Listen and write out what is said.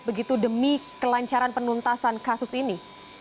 begitu demi kelancaran penuntasan kasus ini